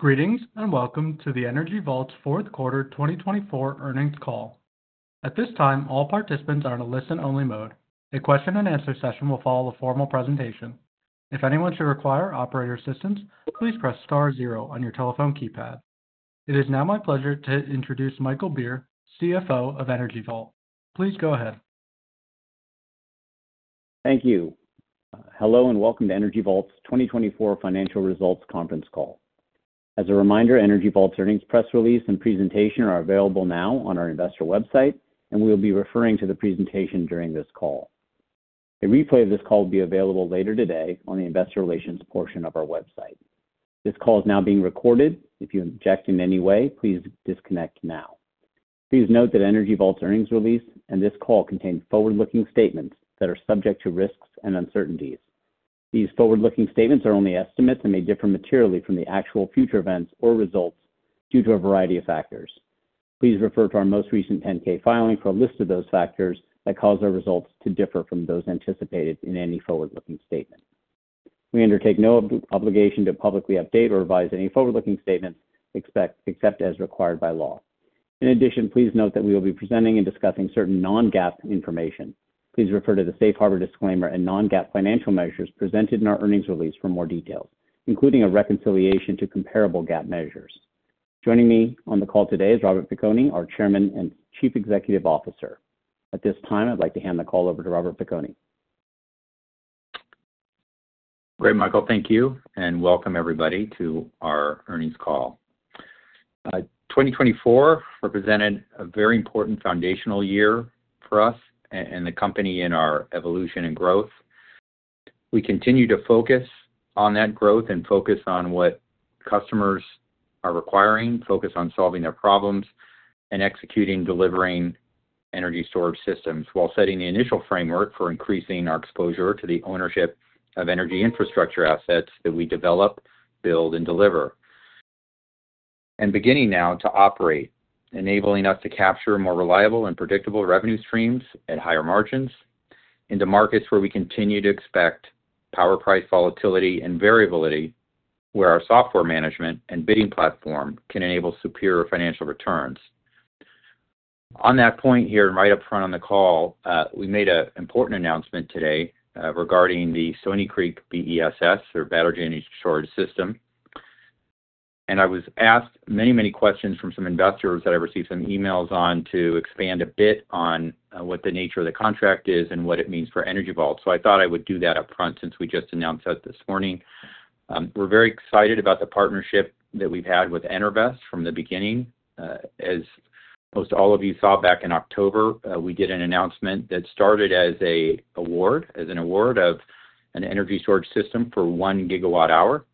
Greetings and welcome to the Energy Vault's fourth quarter 2024 earnings call. At this time, all participants are in a listen-only mode. A question-and-answer session will follow the formal presentation. If anyone should require operator assistance, please press star zero on your telephone keypad. It is now my pleasure to introduce Michael Beer, CFO of Energy Vault. Please go ahead. Thank you. Hello and welcome to Energy Vault's 2024 financial results conference call. As a reminder, Energy Vault's earnings press release and presentation are available now on our investor website, and we will be referring to the presentation during this call. A replay of this call will be available later today on the investor relations portion of our website. This call is now being recorded. If you object in any way, please disconnect now. Please note that Energy Vault's earnings release and this call contain forward-looking statements that are subject to risks and uncertainties. These forward-looking statements are only estimates and may differ materially from the actual future events or results due to a variety of factors. Please refer to our most recent 10-K filing for a list of those factors that cause our results to differ from those anticipated in any forward-looking statement. We undertake no obligation to publicly update or revise any forward-looking statements except as required by law. In addition, please note that we will be presenting and discussing certain non-GAAP information. Please refer to the safe harbor disclaimer and non-GAAP financial measures presented in our earnings release for more details, including a reconciliation to comparable GAAP measures. Joining me on the call today is Robert Piconi, our Chairman and Chief Executive Officer. At this time, I'd like to hand the call over to Robert Piconi. Great, Michael. Thank you and welcome everybody to our earnings call. 2024 represented a very important foundational year for us and the company in our evolution and growth. We continue to focus on that growth and focus on what customers are requiring, focus on solving their problems and executing, delivering energy storage systems while setting the initial framework for increasing our exposure to the ownership of energy infrastructure assets that we develop, build, and deliver. Beginning now to operate, enabling us to capture more reliable and predictable revenue streams at higher margins into markets where we continue to expect power price volatility and variability, where our software management and bidding platform can enable superior financial returns. On that point here, right up front on the call, we made an important announcement today regarding the Stoney Creek BESS, or battery energy storage system. I was asked many, many questions from some investors that I received some emails on to expand a bit on what the nature of the contract is and what it means for Energy Vault. I thought I would do that upfront since we just announced that this morning. We're very excited about the partnership that we've had with Enervest from the beginning. As most all of you saw back in October, we did an announcement that started as an award of an energy storage system for one gigawatt hour.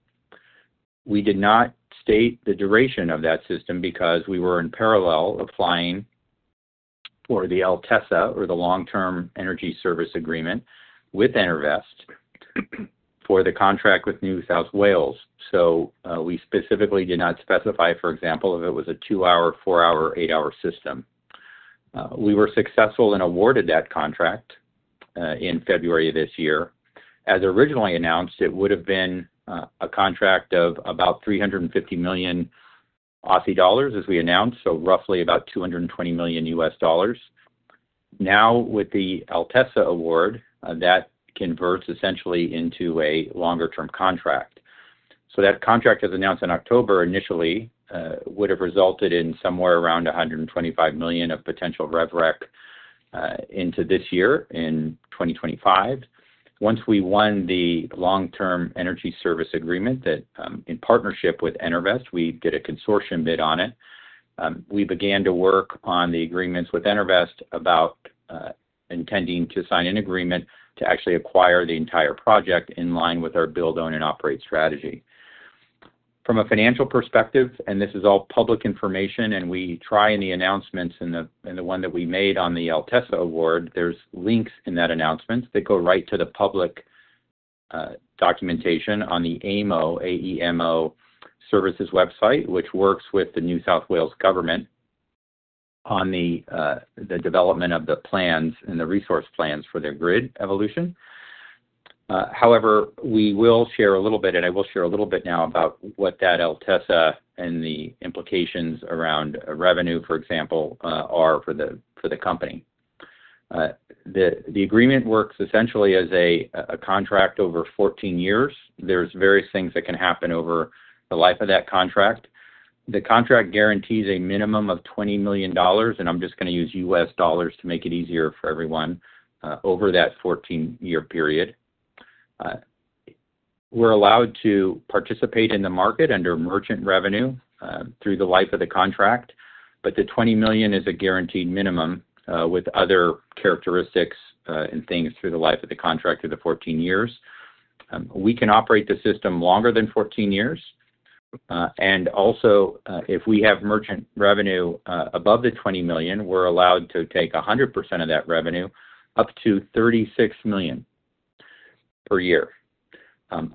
We did not state the duration of that system because we were in parallel applying for the LTESA, or the Long Term Energy Service Agreement, with Enervest for the contract with New South Wales. We specifically did not specify, for example, if it was a two-hour, four-hour, or eight-hour system. We were successful and awarded that contract in February of this year. As originally announced, it would have been a contract of about 350 million Aussie dollars, as we announced, so roughly about $220 million. Now, with the LTESA award, that converts essentially into a longer-term contract. That contract, as announced in October initially, would have resulted in somewhere around $125 million of potential RevRec into this year in 2025. Once we won the Long Term Energy Service Agreement that, in partnership with Enervest, we did a consortium bid on it, we began to work on the agreements with Enervest about intending to sign an agreement to actually acquire the entire project in line with our build, own, and operate strategy. From a financial perspective, and this is all public information, and we try in the announcements and the one that we made on the LTESA award, there's links in that announcement that go right to the public documentation on the AEMO services website, which works with the New South Wales government on the development of the plans and the resource plans for their grid evolution. However, we will share a little bit, and I will share a little bit now about what that LTESA and the implications around revenue, for example, are for the company. The agreement works essentially as a contract over 14 years. There's various things that can happen over the life of that contract. The contract guarantees a minimum of $20 million, and I'm just going to use US dollars to make it easier for everyone over that 14-year period. We're allowed to participate in the market under merchant revenue through the life of the contract, but the $20 million is a guaranteed minimum with other characteristics and things through the life of the contract through the 14 years. We can operate the system longer than 14 years. Also, if we have merchant revenue above the $20 million, we're allowed to take 100% of that revenue up to $36 million per year.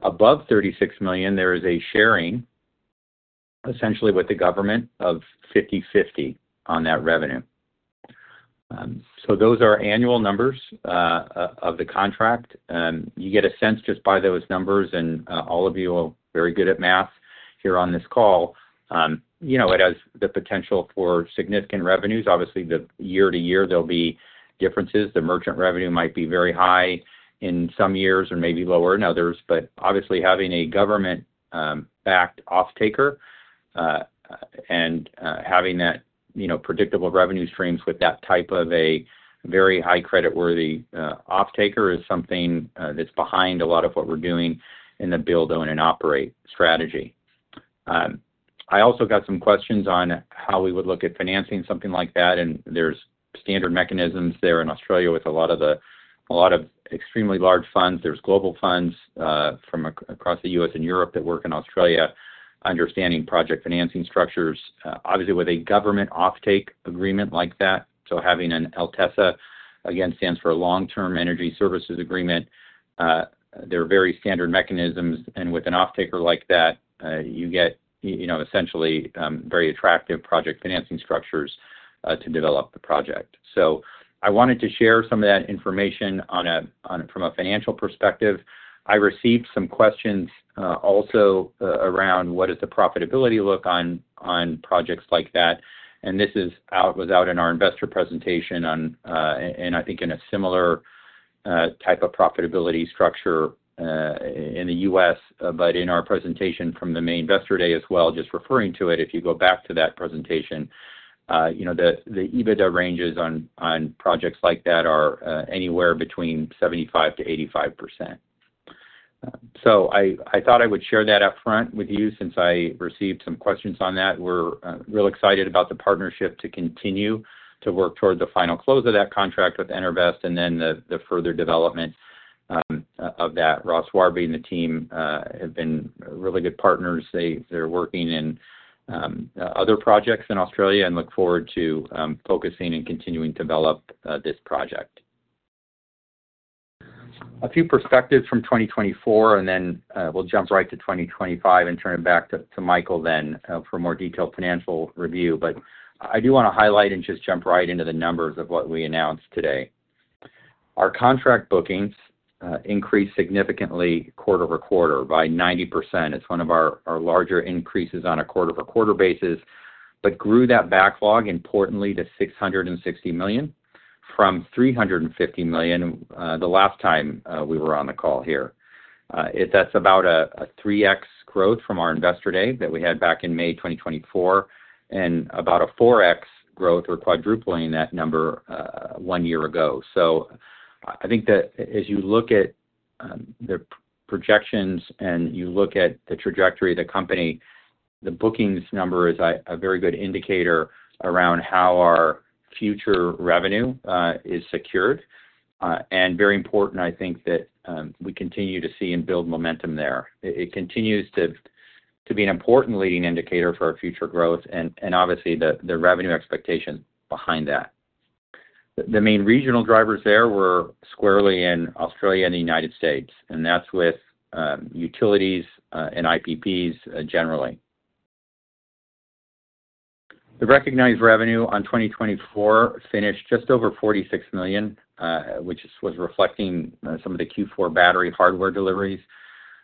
Above $36 million, there is a sharing essentially with the government of 50/50 on that revenue. Those are annual numbers of the contract. You get a sense just by those numbers, and all of you are very good at math here on this call. It has the potential for significant revenues. Obviously, year to year, there'll be differences. The merchant revenue might be very high in some years and maybe lower in others, but obviously, having a government-backed off-taker and having that predictable revenue streams with that type of a very high credit-worthy off-taker is something that's behind a lot of what we're doing in the build, own, and operate strategy. I also got some questions on how we would look at financing something like that, and there's standard mechanisms there in Australia with a lot of the extremely large funds. There's global funds from across the U.S. and Europe that work in Australia understanding project financing structures. Obviously, with a government off-take agreement like that, so having an LTESA, again, stands for Long Term Energy Services Agreement. There are very standard mechanisms, and with an off-taker like that, you get essentially very attractive project financing structures to develop the project. I wanted to share some of that information from a financial perspective. I received some questions also around what does the profitability look like on projects like that. This was out in our investor presentation and I think in a similar type of profitability structure in the U.S., but in our presentation from the May investor day as well, just referring to it. If you go back to that presentation, the EBITDA ranges on projects like that are anywhere between 75-85%. I thought I would share that upfront with you since I received some questions on that. We're real excited about the partnership to continue to work toward the final close of that contract with Enervest and then the further development of that. Ross Warby and the team have been really good partners. They're working in other projects in Australia and look forward to focusing and continuing to develop this project. A few perspectives from 2024, and then we'll jump right to 2025 and turn it back to Michael then for more detailed financial review. I do want to highlight and just jump right into the numbers of what we announced today. Our contract bookings increased significantly quarter over quarter by 90%. It's one of our larger increases on a quarter-over-quarter basis, but grew that backlog importantly to $660 million from $350 million the last time we were on the call here. That's about a 3x growth from our investor day that we had back in May 2024 and about a 4x growth or quadrupling that number one year ago. I think that as you look at the projections and you look at the trajectory of the company, the bookings number is a very good indicator around how our future revenue is secured. Very important, I think, that we continue to see and build momentum there. It continues to be an important leading indicator for our future growth and obviously the revenue expectations behind that. The main regional drivers there were squarely in Australia and the United States, and that's with utilities and IPPs generally. The recognized revenue on 2024 finished just over $46 million, which was reflecting some of the Q4 battery hardware deliveries.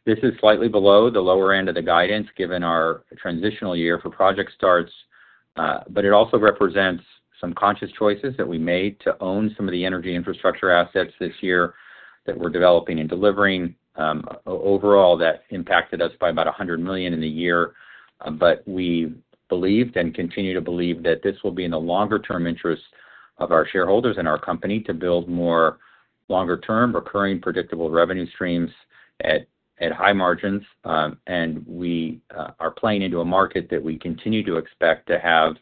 This is slightly below the lower end of the guidance given our transitional year for project starts, but it also represents some conscious choices that we made to own some of the energy infrastructure assets this year that we're developing and delivering. Overall, that impacted us by about $100 million in the year, but we believed and continue to believe that this will be in the longer-term interest of our shareholders and our company to build more longer-term recurring predictable revenue streams at high margins. We are playing into a market that we continue to expect to have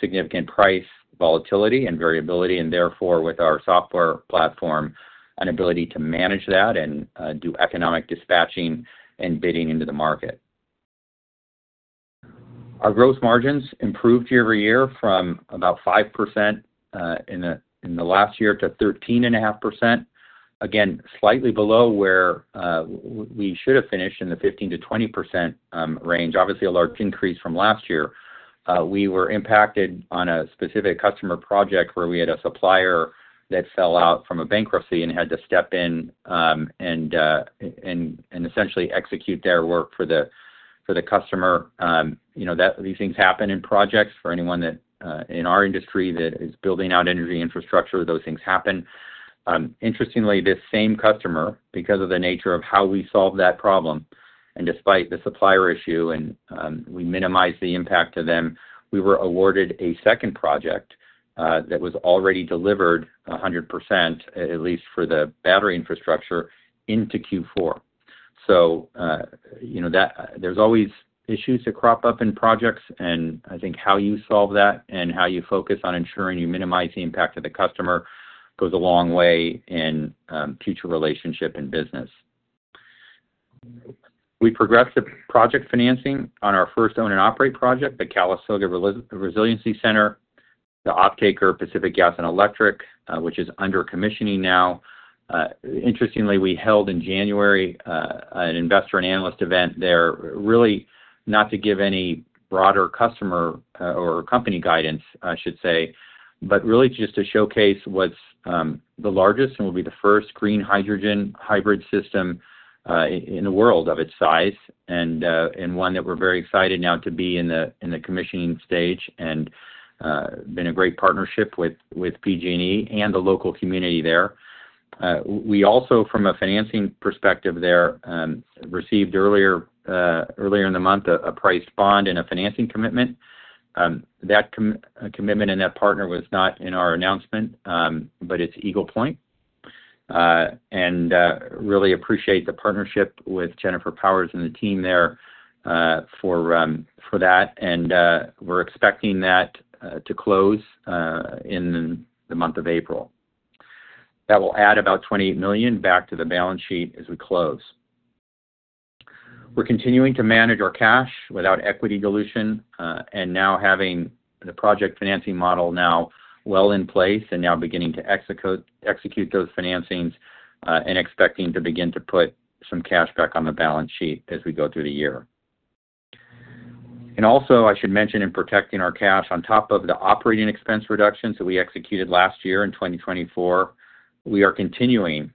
significant price volatility and variability and therefore with our software platform, an ability to manage that and do economic dispatching and bidding into the market. Our gross margins improved year over year from about 5% in the last year to 13.5%, again, slightly below where we should have finished in the 15-20% range. Obviously, a large increase from last year. We were impacted on a specific customer project where we had a supplier that fell out from a bankruptcy and had to step in and essentially execute their work for the customer. These things happen in projects for anyone in our industry that is building out energy infrastructure. Those things happen. Interestingly, this same customer, because of the nature of how we solved that problem and despite the supplier issue and we minimized the impact to them, we were awarded a second project that was already delivered 100%, at least for the battery infrastructure, into Q4. There are always issues that crop up in projects, and I think how you solve that and how you focus on ensuring you minimize the impact to the customer goes a long way in future relationship and business. We progressed the project financing on our first own and operate project, the Calistoga Resiliency Center, the off-taker Pacific Gas and Electric, which is under commissioning now. Interestingly, we held in January an investor and analyst event there really not to give any broader customer or company guidance, I should say, but really just to showcase what's the largest and will be the first green hydrogen hybrid system in the world of its size and one that we're very excited now to be in the commissioning stage and been a great partnership with PG&E and the local community there. We also, from a financing perspective there, received earlier in the month a priced bond and a financing commitment. That commitment and that partner was not in our announcement, but it's EIG Point. I really appreciate the partnership with Jennifer Powers and the team there for that. We are expecting that to close in the month of April. That will add about $28 million back to the balance sheet as we close. We are continuing to manage our cash without equity dilution and now having the project financing model well in place and now beginning to execute those financings and expecting to begin to put some cash back on the balance sheet as we go through the year. Also, I should mention in protecting our cash on top of the operating expense reduction that we executed last year in 2024, we are continuing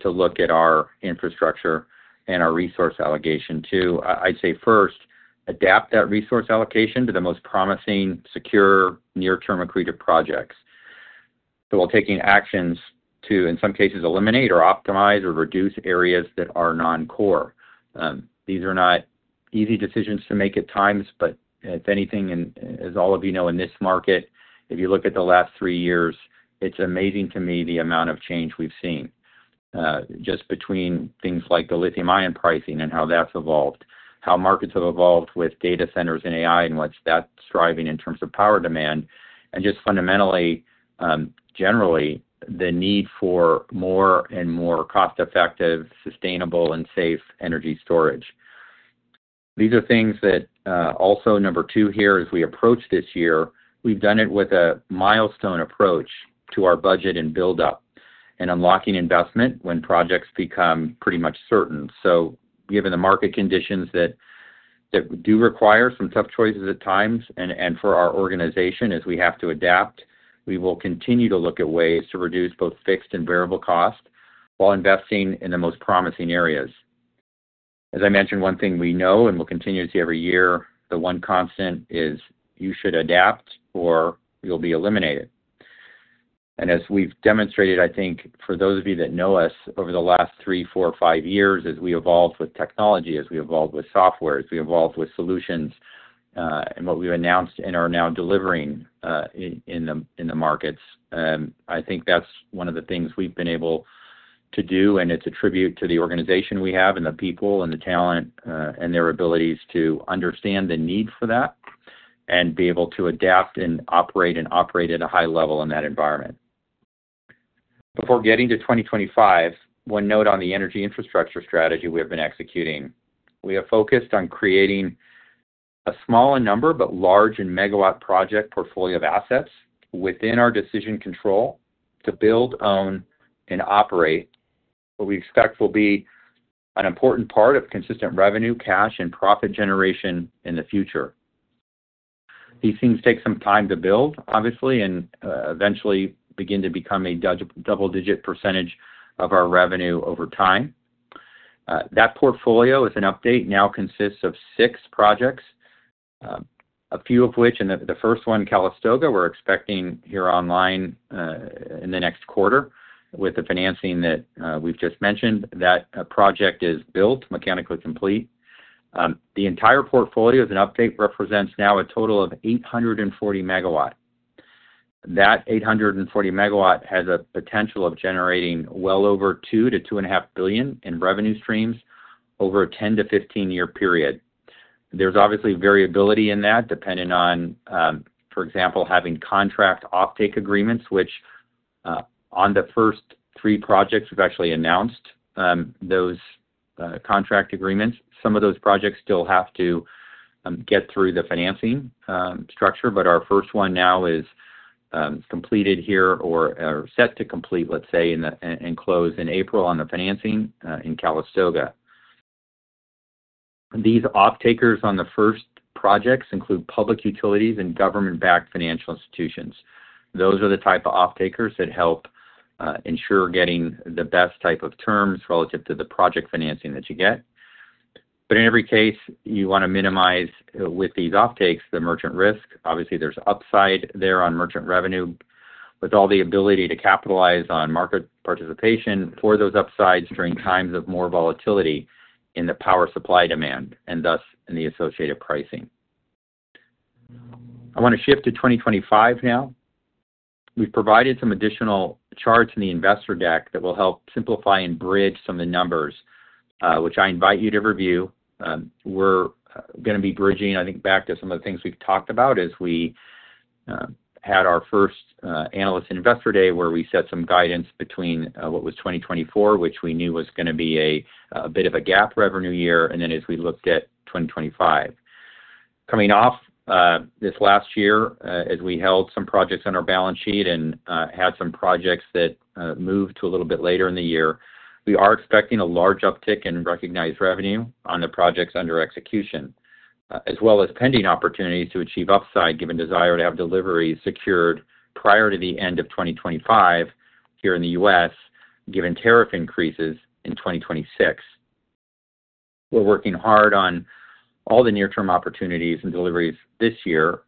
to look at our infrastructure and our resource allocation to, I'd say, first, adapt that resource allocation to the most promising, secure, near-term accretive projects while taking actions to, in some cases, eliminate or optimize or reduce areas that are non-core. These are not easy decisions to make at times, but if anything, as all of you know, in this market, if you look at the last three years, it's amazing to me the amount of change we've seen just between things like the lithium-ion pricing and how that's evolved, how markets have evolved with data centers and AI and what's that driving in terms of power demand, and just fundamentally, generally, the need for more and more cost-effective, sustainable, and safe energy storage. These are things that also, number two here, as we approach this year, we've done it with a milestone approach to our budget and build-up and unlocking investment when projects become pretty much certain. Given the market conditions that do require some tough choices at times and for our organization as we have to adapt, we will continue to look at ways to reduce both fixed and variable costs while investing in the most promising areas. As I mentioned, one thing we know and we'll continue to see every year, the one constant is you should adapt or you'll be eliminated. As we have demonstrated, I think, for those of you that know us over the last three, four, five years, as we evolve with technology, as we evolve with software, as we evolve with solutions and what we have announced and are now delivering in the markets, I think that is one of the things we have been able to do, and it is a tribute to the organization we have and the people and the talent and their abilities to understand the need for that and be able to adapt and operate and operate at a high level in that environment. Before getting to 2025, one note on the energy infrastructure strategy we have been executing. We have focused on creating a small in number, but large in megawatt project portfolio of assets within our decision control to build, own, and operate what we expect will be an important part of consistent revenue, cash, and profit generation in the future. These things take some time to build, obviously, and eventually begin to become a double-digit percentage of our revenue over time. That portfolio, with an update, now consists of six projects, a few of which, and the first one, Calasogha, we're expecting here online in the next quarter with the financing that we've just mentioned, that project is built, mechanically complete. The entire portfolio, as an update, represents now a total of 840 megawatt. That 840 megawatt has a potential of generating well over $2 billion-$2.5 billion in revenue streams over a 10-15 year period. There's obviously variability in that depending on, for example, having contract off-take agreements, which on the first three projects we've actually announced those contract agreements. Some of those projects still have to get through the financing structure. Our first one now is completed here or set to complete, let's say, and close in April on the financing in Calasogha. These off-takers on the first projects include public utilities and government-backed financial institutions. Those are the type of off-takers that help ensure getting the best type of terms relative to the project financing that you get. In every case, you want to minimize with these off-takes the merchant risk. Obviously, there's upside there on merchant revenue with all the ability to capitalize on market participation for those upsides during times of more volatility in the power supply demand and thus in the associated pricing. I want to shift to 2025 now. We've provided some additional charts in the investor deck that will help simplify and bridge some of the numbers, which I invite you to review. We're going to be bridging, I think, back to some of the things we've talked about as we had our first analyst investor day where we set some guidance between what was 2024, which we knew was going to be a bit of a gap revenue year, and then as we looked at 2025. Coming off this last year, as we held some projects on our balance sheet and had some projects that moved to a little bit later in the year, we are expecting a large uptick in recognized revenue on the projects under execution, as well as pending opportunities to achieve upside given desire to have deliveries secured prior to the end of 2025 here in the U.S., given tariff increases in 2026. We are working hard on all the near-term opportunities and deliveries this year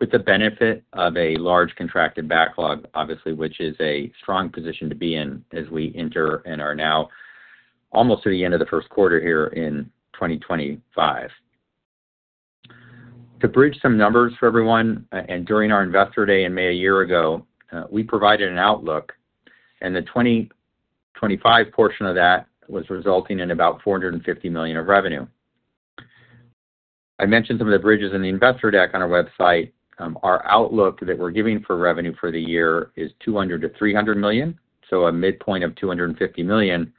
with the benefit of a large contracted backlog, obviously, which is a strong position to be in as we enter and are now almost to the end of the first quarter here in 2025. To bridge some numbers for everyone, and during our investor day in May a year ago, we provided an outlook, and the 2025 portion of that was resulting in about $450 million of revenue. I mentioned some of the bridges in the investor deck on our website. Our outlook that we're giving for revenue for the year is $200-$300 million, so a midpoint of $250 million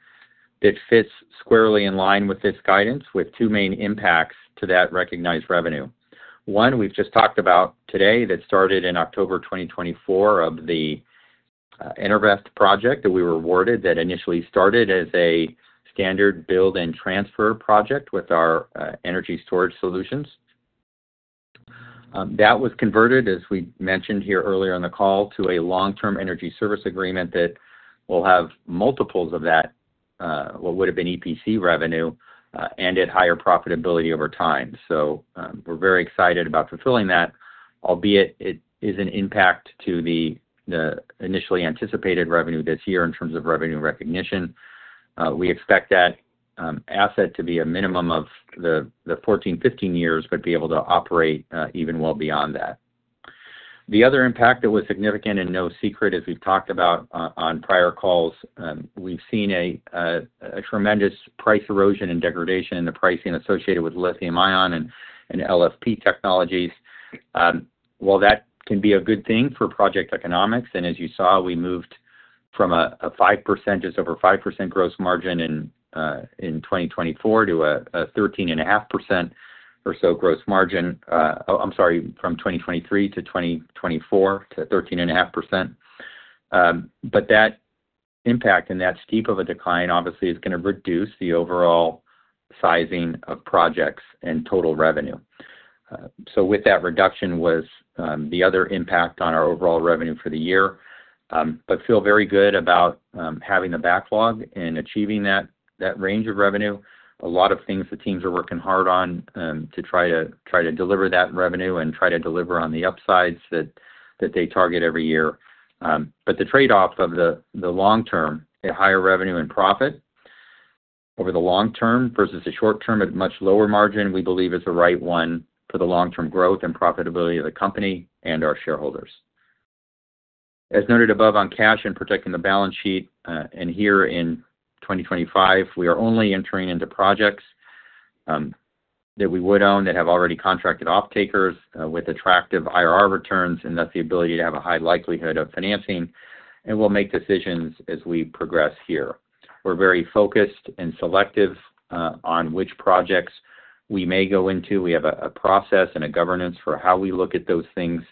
that fits squarely in line with this guidance with two main impacts to that recognized revenue. One, we've just talked about today that started in October 2024 of the Enervest project that we were awarded that initially started as a standard build and transfer project with our energy storage solutions. That was converted, as we mentioned here earlier in the call, to a long-term energy service agreement that will have multiples of that, what would have been EPC revenue, and at higher profitability over time. We are very excited about fulfilling that, albeit it is an impact to the initially anticipated revenue this year in terms of revenue recognition. We expect that asset to be a minimum of the 14, 15 years, but be able to operate even well beyond that. The other impact that was significant and no secret, as we've talked about on prior calls, we've seen a tremendous price erosion and degradation in the pricing associated with lithium-ion and LFP technologies. While that can be a good thing for project economics, and as you saw, we moved from a 5%, just over 5% gross margin in 2023 to a 13.5% or so gross margin in 2024, I'm sorry, from 2023 to 2024 to 13.5%. That impact and that steep of a decline, obviously, is going to reduce the overall sizing of projects and total revenue. With that reduction was the other impact on our overall revenue for the year. I feel very good about having the backlog and achieving that range of revenue. A lot of things the teams are working hard on to try to deliver that revenue and try to deliver on the upsides that they target every year. The trade-off of the long-term, a higher revenue and profit over the long term versus the short term at much lower margin, we believe is the right one for the long-term growth and profitability of the company and our shareholders. As noted above on cash and protecting the balance sheet, and here in 2025, we are only entering into projects that we would own that have already contracted off-takers with attractive IRR returns and thus the ability to have a high likelihood of financing, and we'll make decisions as we progress here. We're very focused and selective on which projects we may go into. We have a process and a governance for how we look at those things.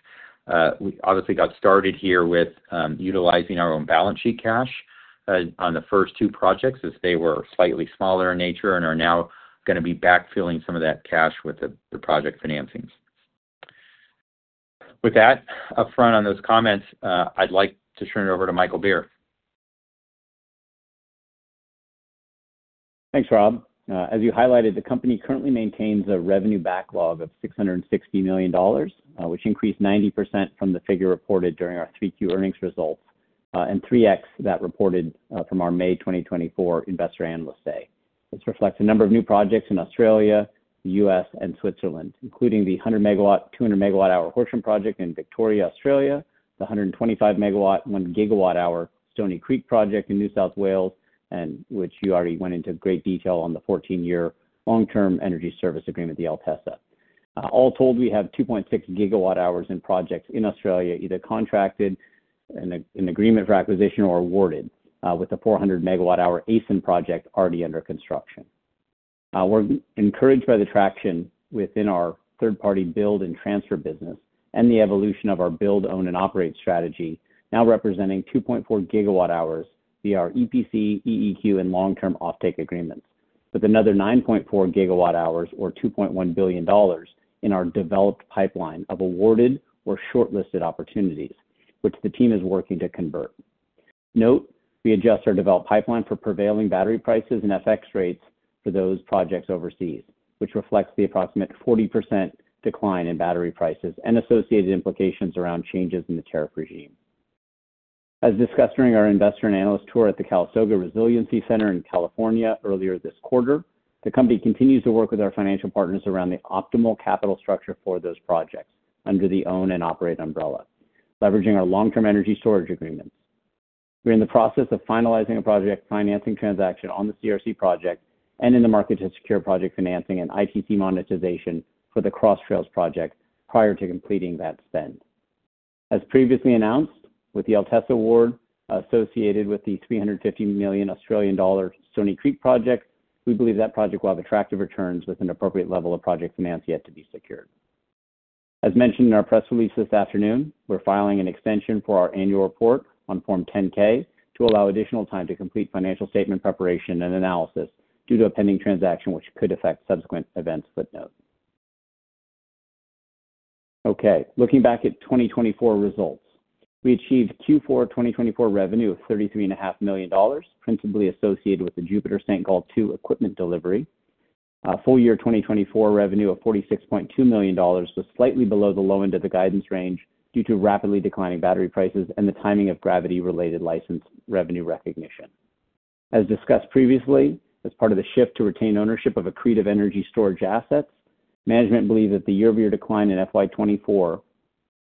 We obviously got started here with utilizing our own balance sheet cash on the first two projects as they were slightly smaller in nature and are now going to be backfilling some of that cash with the project financings. With that, upfront on those comments, I'd like to turn it over to Michael Beer. Thanks, Rob. As you highlighted, the company currently maintains a revenue backlog of $660 million, which increased 90% from the figure reported during our Q3 earnings results and 3X that reported from our May 2024 investor analyst day. This reflects a number of new projects in Australia, the US, and Switzerland, including the 100 megawatt, 200 megawatt-hour Horsham project in Victoria, Australia, the 125 megawatt, 1 gigawatt-hour Stoney Creek project in New South Wales, which you already went into great detail on the 14-year long-term energy service agreement, the LTESA. All told, we have 2.6 gigawatt hours in projects in Australia, either contracted in agreement for acquisition or awarded, with a 400 megawatt hour ACEN project already under construction. We're encouraged by the traction within our third-party build and transfer business and the evolution of our build, own, and operate strategy, now representing 2.4 gigawatt hours via our EPC, EEQ, and long-term off-take agreements, with another 9.4 gigawatt hours or $2.1 billion in our developed pipeline of awarded or shortlisted opportunities, which the team is working to convert. Note, we adjust our developed pipeline for prevailing battery prices and FX rates for those projects overseas, which reflects the approximate 40% decline in battery prices and associated implications around changes in the tariff regime. As discussed during our investor and analyst tour at the Calasogha Resiliency Center in California earlier this quarter, the company continues to work with our financial partners around the optimal capital structure for those projects under the own and operate umbrella, leveraging our long-term energy storage agreements. We're in the process of finalizing a project financing transaction on the Calasogha Resiliency Center project and in the market to secure project financing and ITC monetization for the Cross Trails project prior to completing that spend. As previously announced, with the LTESA award associated with the 350 million Australian dollar Stony Creek project, we believe that project will have attractive returns with an appropriate level of project finance yet to be secured. As mentioned in our press release this afternoon, we're filing an extension for our annual report on Form 10-K to allow additional time to complete financial statement preparation and analysis due to a pending transaction, which could affect subsequent events footnote. Okay, looking back at 2024 results, we achieved Q4 2024 revenue of $33.5 million, principally associated with the Jupiter-St. Gaul II equipment delivery. Full year 2024 revenue of $46.2 million was slightly below the low end of the guidance range due to rapidly declining battery prices and the timing of gravity-related license revenue recognition. As discussed previously, as part of the shift to retain ownership of accretive energy storage assets, management believed that the year-over-year decline in FY24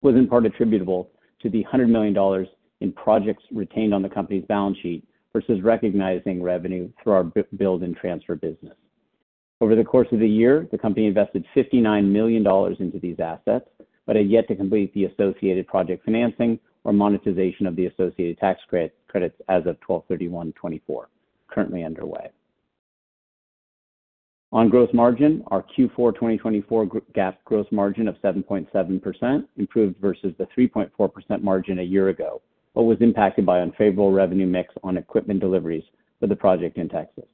was in part attributable to the $100 million in projects retained on the company's balance sheet versus recognizing revenue through our build and transfer business. Over the course of the year, the company invested $59 million into these assets, but had yet to complete the associated project financing or monetization of the associated tax credits as of 12/31/2024, currently underway. On gross margin, our Q4 2024 GAAP gross margin of 7.7% improved versus the 3.4% margin a year ago, but was impacted by unfavorable revenue mix on equipment deliveries for the project in Texas.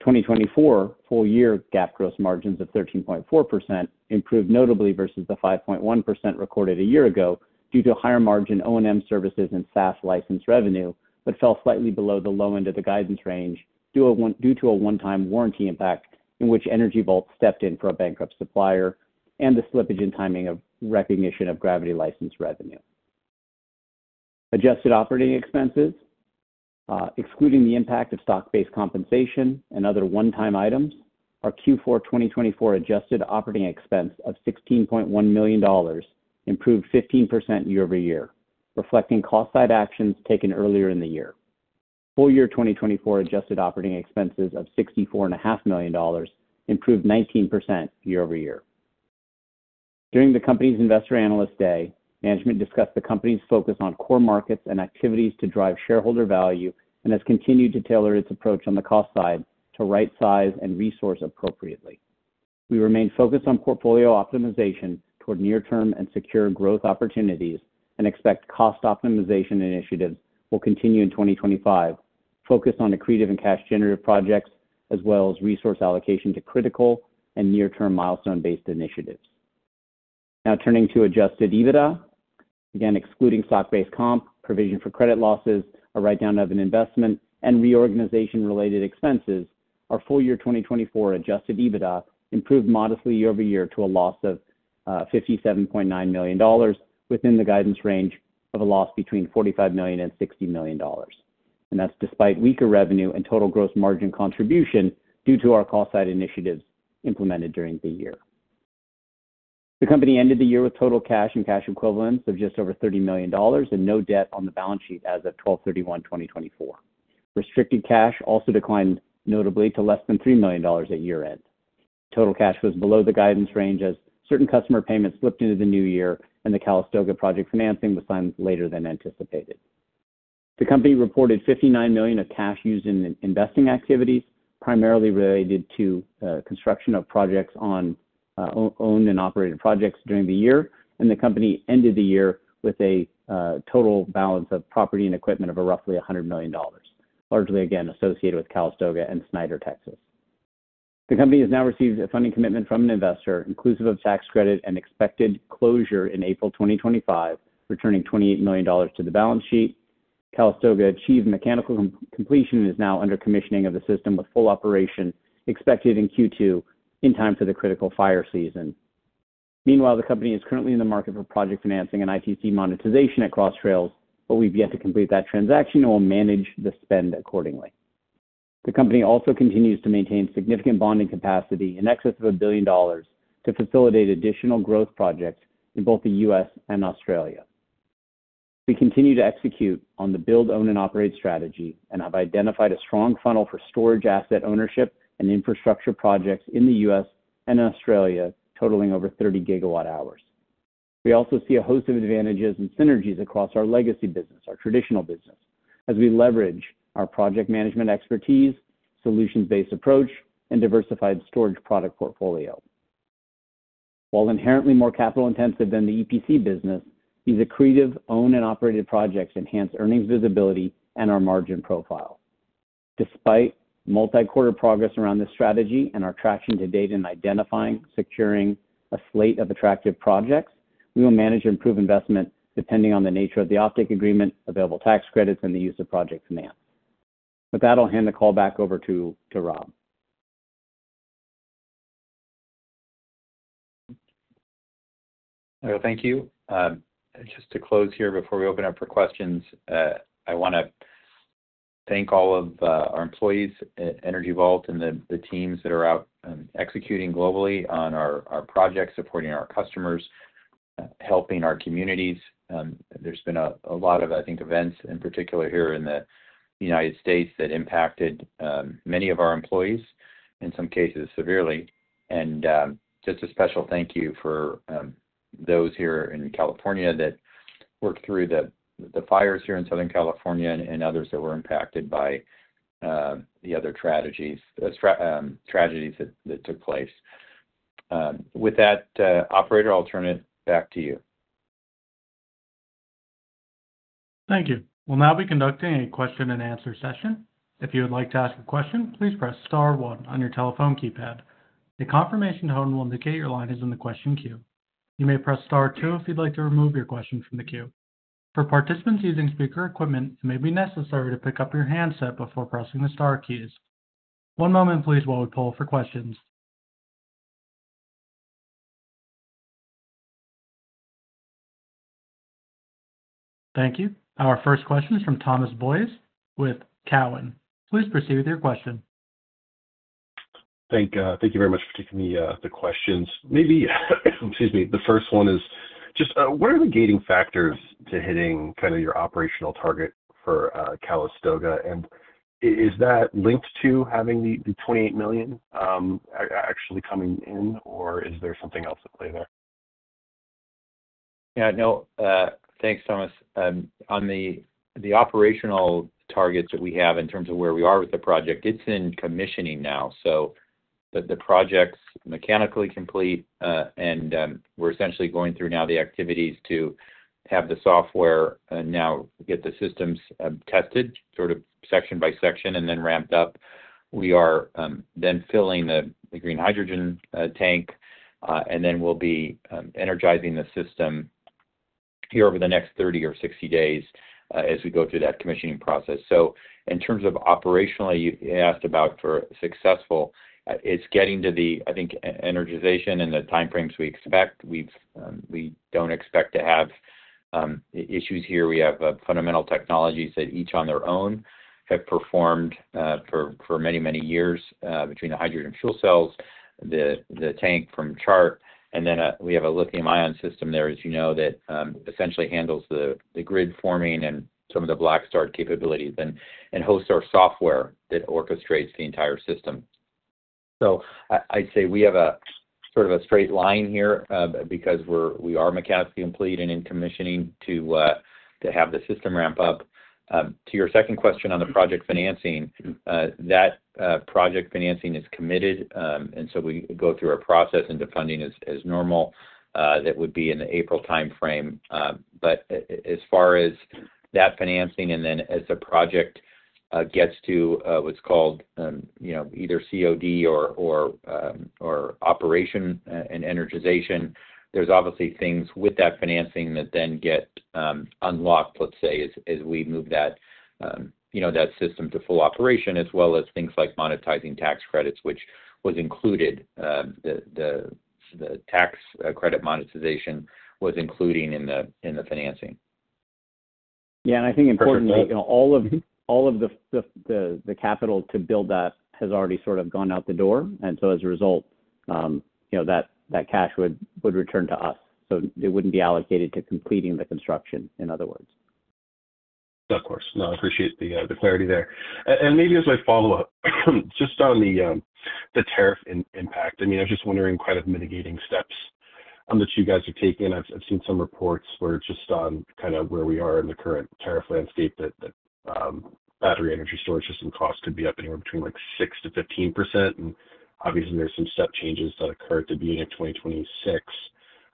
2024 full year GAAP gross margins of 13.4% improved notably versus the 5.1% recorded a year ago due to higher margin O&M services and SaaS license revenue, but fell slightly below the low end of the guidance range due to a one-time warranty impact in which Energy Vault stepped in for a bankrupt supplier and the slippage in timing of recognition of gravity license revenue. Adjusted operating expenses, excluding the impact of stock-based compensation and other one-time items, our Q4 2024 adjusted operating expense of $16.1 million improved 15% year-over-year, reflecting cost-side actions taken earlier in the year. Full year 2024 adjusted operating expenses of $64.5 million improved 19% year-over-year. During the company's investor analyst day, management discussed the company's focus on core markets and activities to drive shareholder value and has continued to tailor its approach on the cost side to right size and resource appropriately. We remain focused on portfolio optimization toward near-term and secure growth opportunities and expect cost optimization initiatives will continue in 2025, focused on accretive and cash-generative projects as well as resource allocation to critical and near-term milestone-based initiatives. Now turning to adjusted EBITDA, again, excluding stock-based comp, provision for credit losses, a write-down of an investment, and reorganization-related expenses, our full year 2024 adjusted EBITDA improved modestly year-over-year to a loss of $57.9 million within the guidance range of a loss between $45 million and $60 million. That is despite weaker revenue and total gross margin contribution due to our cost-side initiatives implemented during the year. The company ended the year with total cash and cash equivalents of just over $30 million and no debt on the balance sheet as of 12/31/2024. Restricted cash also declined notably to less than $3 million at year-end. Total cash was below the guidance range as certain customer payments slipped into the new year and the Calasogha project financing was signed later than anticipated. The company reported $59 million of cash used in investing activities, primarily related to construction of projects on owned and operated projects during the year, and the company ended the year with a total balance of property and equipment of roughly $100 million, largely again associated with Calasogha and Snyder, Texas. The company has now received a funding commitment from an investor, inclusive of tax credit and expected closure in April 2025, returning $28 million to the balance sheet. Calasogha achieved mechanical completion and is now under commissioning of the system with full operation expected in Q2 in time for the critical fire season. Meanwhile, the company is currently in the market for project financing and ITC monetization at Cross Trails, but we've yet to complete that transaction and will manage the spend accordingly. The company also continues to maintain significant bonding capacity in excess of $1 billion to facilitate additional growth projects in both the US and Australia. We continue to execute on the build, own, and operate strategy and have identified a strong funnel for storage asset ownership and infrastructure projects in the US and in Australia, totaling over 30 gigawatt hours. We also see a host of advantages and synergies across our legacy business, our traditional business, as we leverage our project management expertise, solutions-based approach, and diversified storage product portfolio. While inherently more capital-intensive than the EPC business, these accretive, owned, and operated projects enhance earnings visibility and our margin profile. Despite multi-quarter progress around this strategy and our traction to date in identifying, securing a slate of attractive projects, we will manage improved investment depending on the nature of the optic agreement, available tax credits, and the use of project finance. With that, I'll hand the call back over to Rob. Thank you. Just to close here before we open up for questions, I want to thank all of our employees at Energy Vault and the teams that are out executing globally on our projects, supporting our customers, helping our communities. There's been a lot of, I think, events in particular here in the United States that impacted many of our employees, in some cases severely. A special thank you for those here in California that worked through the fires here in Southern California and others that were impacted by the other tragedies that took place. With that, Operator, I'll turn it back to you. Thank you. We'll now be conducting a question-and-answer session. If you would like to ask a question, please press star one on your telephone keypad. A confirmation tone will indicate your line is in the question queue. You may press star two if you'd like to remove your question from the queue. For participants using speaker equipment, it may be necessary to pick up your handset before pressing the star keys. One moment, please, while we pull for questions. Thank you. Our first question is from Thomas Boyes with Cowen. Please proceed with your question. Thank you very much for taking the questions. Maybe, excuse me, the first one is just, what are the gating factors to hitting kind of your operational target for Calasogha? Is that linked to having the $28 million actually coming in, or is there something else at play there? Yeah, no, thanks, Thomas. On the operational targets that we have in terms of where we are with the project, it is in commissioning now. The project's mechanically complete, and we're essentially going through now the activities to have the software now get the systems tested sort of section by section and then ramped up. We are then filling the green hydrogen tank, and we will be energizing the system here over the next 30-60 days as we go through that commissioning process. In terms of operationally, you asked about for successful, it is getting to the, I think, energization and the timeframes we expect. We do not expect to have issues here. We have fundamental technologies that each on their own have performed for many, many years between the hydrogen fuel cells, the tank from Chart, and then we have a lithium-ion system there, as you know, that essentially handles the grid forming and some of the black start capabilities and hosts our software that orchestrates the entire system. I would say we have a sort of a straight line here because we are mechanically complete and in commissioning to have the system ramp up. To your second question on the project financing, that project financing is committed, and we go through a process into funding as normal that would be in the April timeframe. As far as that financing and then as the project gets to what's called either COD or operation and energization, there's obviously things with that financing that then get unlocked, let's say, as we move that system to full operation, as well as things like monetizing tax credits, which was included. The tax credit monetization was included in the financing. Yeah, I think importantly, all of the capital to build that has already sort of gone out the door. As a result, that cash would return to us. It wouldn't be allocated to completing the construction, in other words. Of course. I appreciate the clarity there. Maybe as a follow-up, just on the tariff impact, I mean, I was just wondering kind of mitigating steps that you guys are taking. I've seen some reports where just on kind of where we are in the current tariff landscape that battery energy storage system costs could be up anywhere between 6%-15%. Obviously, there's some step changes that occur at the beginning of 2026.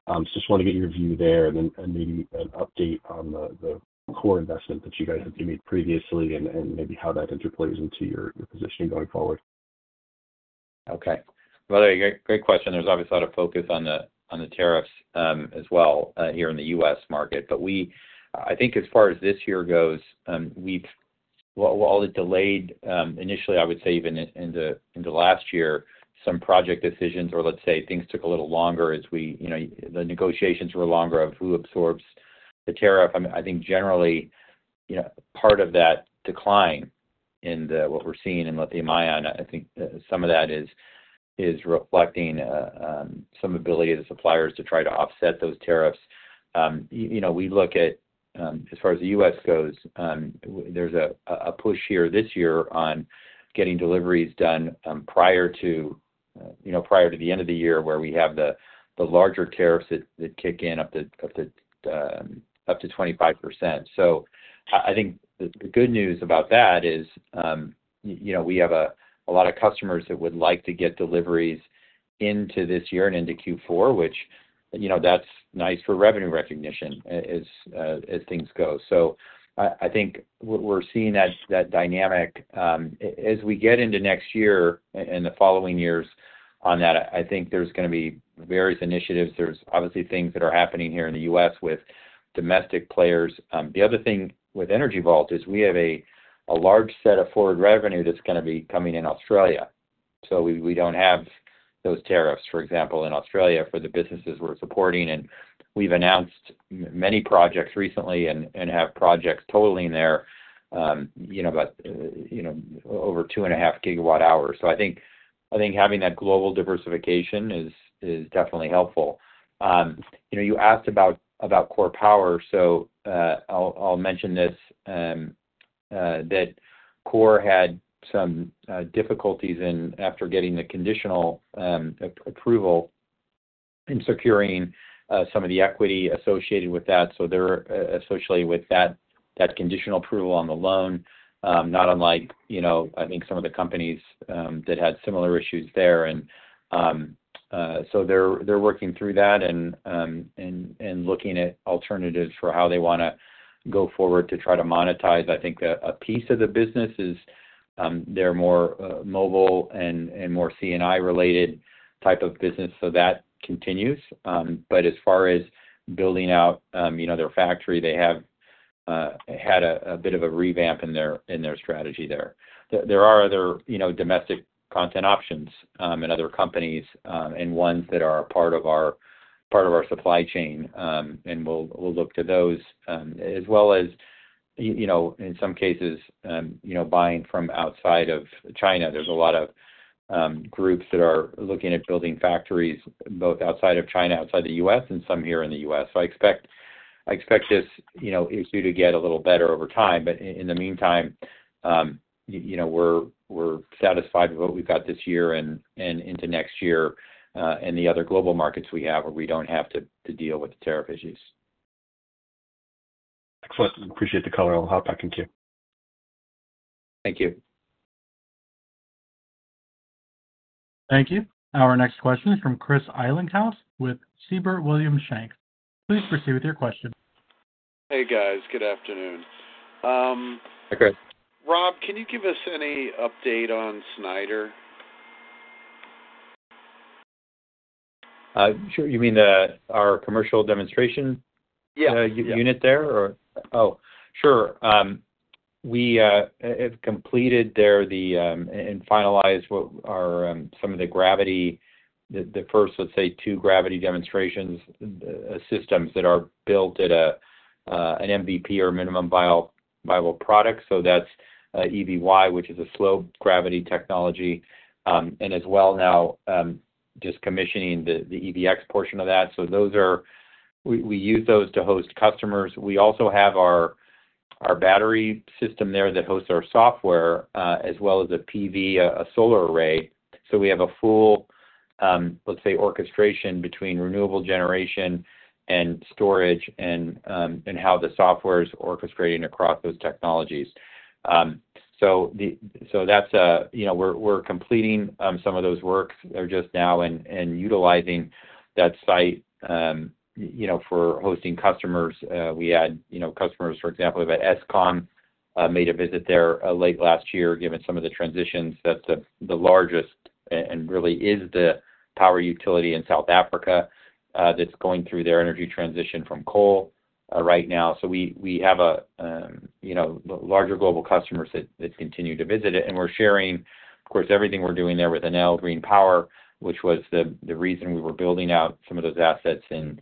I just want to get your view there and maybe an update on the core investment that you guys have made previously and maybe how that interplays into your position going forward. Okay. Great question. There's obviously a lot of focus on the tariffs as well here in the U.S. market. I think as far as this year goes, we've—all the delayed initially, I would say even into last year, some project decisions or, let's say, things took a little longer as the negotiations were longer of who absorbs the tariff. I think generally, part of that decline in what we're seeing in lithium-ion, I think some of that is reflecting some ability of the suppliers to try to offset those tariffs. We look at, as far as the U.S. goes, there's a push here this year on getting deliveries done prior to the end of the year where we have the larger tariffs that kick in up to 25%. I think the good news about that is we have a lot of customers that would like to get deliveries into this year and into Q4, which that's nice for revenue recognition as things go. I think we're seeing that dynamic. As we get into next year and the following years on that, I think there's going to be various initiatives. There's obviously things that are happening here in the U.S. with domestic players. The other thing with Energy Vault is we have a large set of forward revenue that's going to be coming in Australia. We don't have those tariffs, for example, in Australia for the businesses we're supporting. We've announced many projects recently and have projects totaling there about over 2.5 gigawatt hours. I think having that global diversification is definitely helpful. You asked about KORE Power. I'll mention this that Core had some difficulties after getting the conditional approval in securing some of the equity associated with that. Associated with that conditional approval on the loan, not unlike, I think, some of the companies that had similar issues there. They're working through that and looking at alternatives for how they want to go forward to try to monetize. I think a piece of the business is they're more mobile and more C&I-related type of business, so that continues. As far as building out their factory, they have had a bit of a revamp in their strategy there. There are other domestic content options and other companies and ones that are a part of our supply chain, and we'll look to those, as well as, in some cases, buying from outside of China. There's a lot of groups that are looking at building factories both outside of China, outside the U.S., and some here in the U.S. I expect this issue to get a little better over time. In the meantime, we're satisfied with what we've got this year and into next year and the other global markets we have where we don't have to deal with the tariff issues. Excellent. Appreciate the call. I'll hop back in here. Thank you. Thank you. Our next question is from Chris Ellinghaus with Siebert Williams Shank. Please proceed with your question. Hey, guys. Good afternoon. Hi, Chris. Rob, can you give us any update on Snyder? Sure. You mean our commercial demonstration unit there? Yeah. Oh, sure. We have completed there and finalized some of the gravity, the first, let's say, two gravity demonstration systems that are built at an MVP or minimum viable product. So that's EVy, which is a slow gravity technology, and as well now just commissioning the EVx portion of that. We use those to host customers. We also have our battery system there that hosts our software as well as a PV, a solar array. We have a full, let's say, orchestration between renewable generation and storage and how the software is orchestrating across those technologies. That's a—we're completing some of those works just now and utilizing that site for hosting customers. We had customers, for example, that Eskom made a visit there late last year given some of the transitions. That's the largest and really is the power utility in South Africa that's going through their energy transition from coal right now. We have larger global customers that continue to visit it. We're sharing, of course, everything we're doing there with Enel Green Power, which was the reason we were building out some of those assets in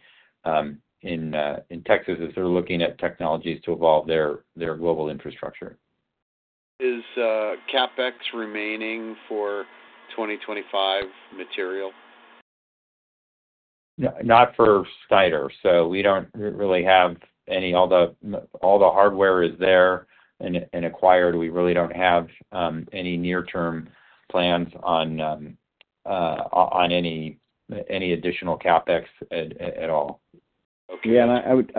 Texas as they're looking at technologies to evolve their global infrastructure. Is CapEx remaining for 2025 material? Not for Snyder. We don't really have any—all the hardware is there and acquired. We really don't have any near-term plans on any additional CapEx at all. Yeah. I would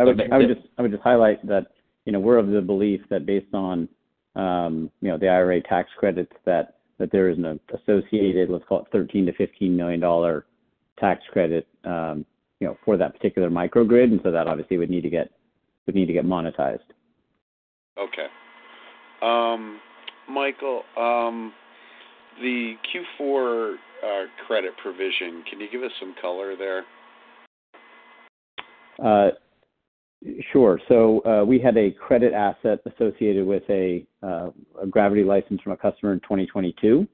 just highlight that we're of the belief that based on the IRA tax credits, there is an associated, let's call it, $13 million-$15 million tax credit for that particular microgrid. That obviously would need to get monetized. Okay. Michael, the Q4 credit provision, can you give us some color there? Sure. We had a credit asset associated with a gravity license from a customer in 2022.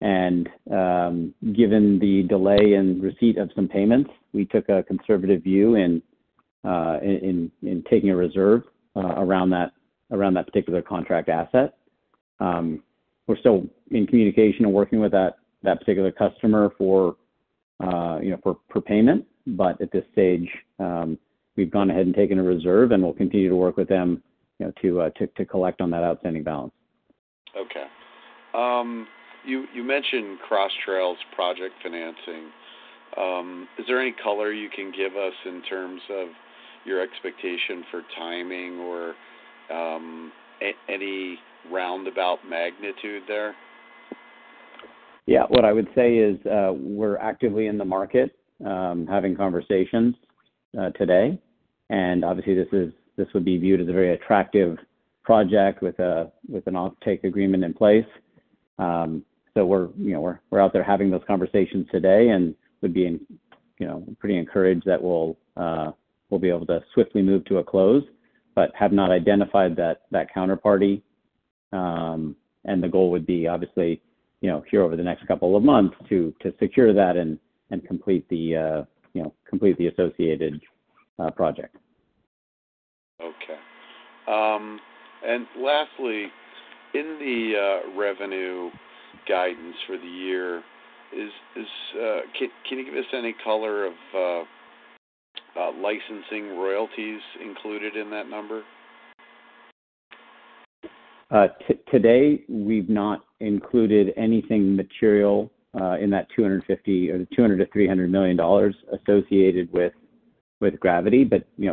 Given the delay in receipt of some payments, we took a conservative view in taking a reserve around that particular contract asset. We're still in communication and working with that particular customer for payment. At this stage, we've gone ahead and taken a reserve, and we'll continue to work with them to collect on that outstanding balance. Okay. You mentioned Cross Trails project financing. Is there any color you can give us in terms of your expectation for timing or any roundabout magnitude there? Yeah. What I would say is we're actively in the market, having conversations today. Obviously, this would be viewed as a very attractive project with an off-take agreement in place. We are out there having those conversations today and would be pretty encouraged that we'll be able to swiftly move to a close, but have not identified that counterparty. The goal would be, obviously, here over the next couple of months to secure that and complete the associated project. Okay. Lastly, in the revenue guidance for the year, can you give us any color of licensing royalties included in that number? Today, we've not included anything material in that $200 million-$300 million associated with gravity.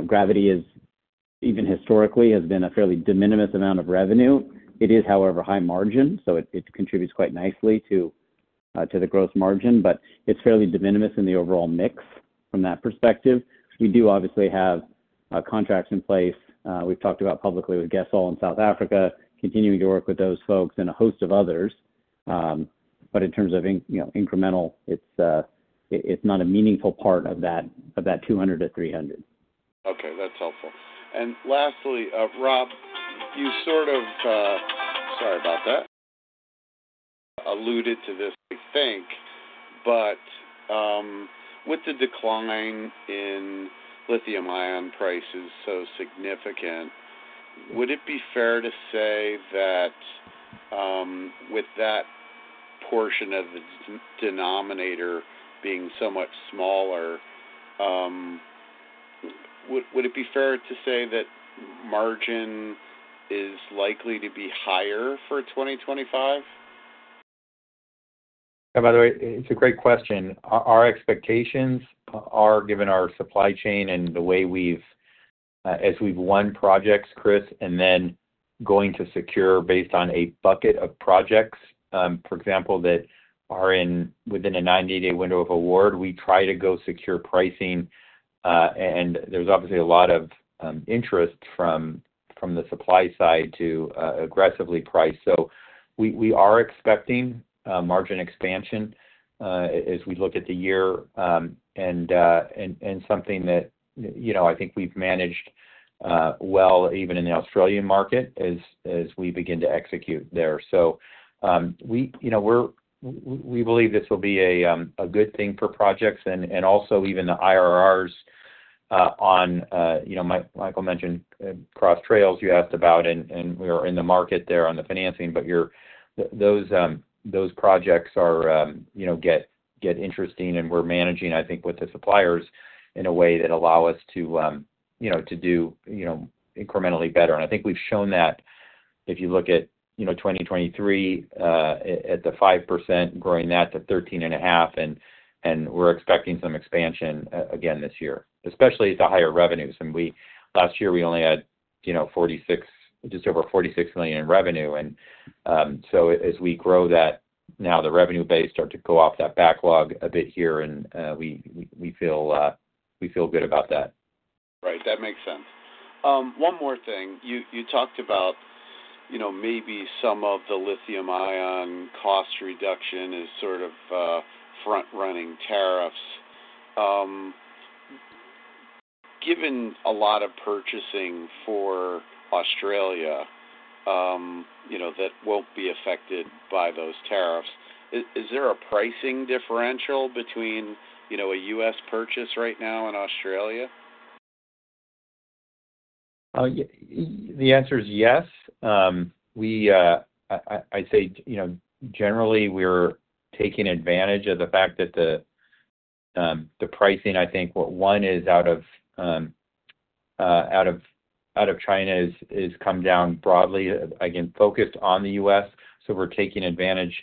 Gravity, even historically, has been a fairly de minimis amount of revenue. It is, however, high margin, so it contributes quite nicely to the gross margin, but it's fairly de minimis in the overall mix from that perspective. We do obviously have contracts in place. We've talked about publicly with Sasol in South Africa, continuing to work with those folks and a host of others. In terms of incremental, it's not a meaningful part of that $200 million-$300 million. Okay. That's helpful. Lastly, Rob, you sort of—sorry about that. Alluded to this, I think. With the decline in lithium-ion prices so significant, would it be fair to say that with that portion of the denominator being somewhat smaller, would it be fair to say that margin is likely to be higher for 2025? By the way, it's a great question. Our expectations are, given our supply chain and the way we've—as we've won projects, Chris, and then going to secure based on a bucket of projects, for example, that are within a 90-day window of award, we try to go secure pricing. There is obviously a lot of interest from the supply side to aggressively price. We are expecting margin expansion as we look at the year and something that I think we've managed well, even in the Australian market, as we begin to execute there. We believe this will be a good thing for projects and also even the IRRs on—Michael mentioned Cross Trails you asked about, and we are in the market there on the financing. Those projects get interesting, and we're managing, I think, with the suppliers in a way that allows us to do incrementally better. I think we've shown that if you look at 2023 at the 5%, growing that to 13.5%. We're expecting some expansion again this year, especially at the higher revenues. Last year, we only had just over $46 million in revenue. As we grow that, now the revenue base starts to go off that backlog a bit here, and we feel good about that. Right. That makes sense. One more thing. You talked about maybe some of the lithium-ion cost reduction as sort of front-running tariffs. Given a lot of purchasing for Australia that will not be affected by those tariffs, is there a pricing differential between a U.S. purchase right now and Australia? The answer is yes. I'd say, generally, we're taking advantage of the fact that the pricing, I think, what one is out of China has come down broadly, again, focused on the U.S. So we're taking advantage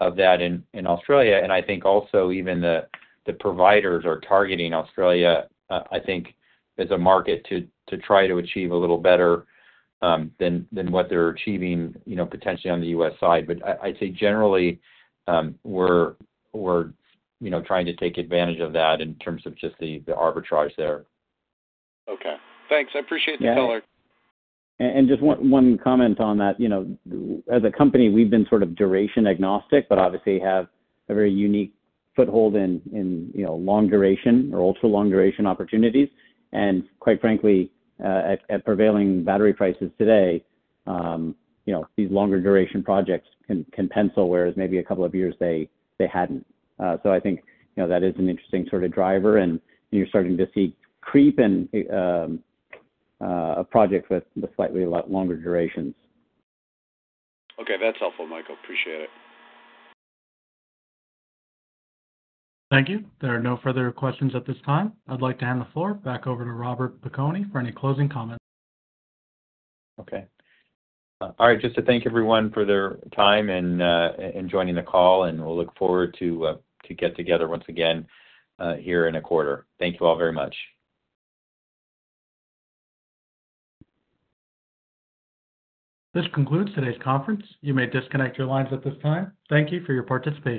of that in Australia. I think also even the providers are targeting Australia, I think, as a market to try to achieve a little better than what they're achieving potentially on the U.S. side. I'd say, generally, we're trying to take advantage of that in terms of just the arbitrage there. Okay. Thanks. I appreciate the color. Just one comment on that. As a company, we've been sort of duration agnostic, but obviously have a very unique foothold in long-duration or ultra-long-duration opportunities. Quite frankly, at prevailing battery prices today, these longer-duration projects can pencil, whereas maybe a couple of years they hadn't. I think that is an interesting sort of driver. You're starting to see creep in projects with slightly longer durations. Okay. That's helpful, Michael. Appreciate it. Thank you. There are no further questions at this time. I'd like to hand the floor back over to Robert Piconi for any closing comments. Okay. All right. Just to thank everyone for their time and joining the call. We'll look forward to get together once again here in a quarter. Thank you all very much. This concludes today's conference. You may disconnect your lines at this time. Thank you for your participation.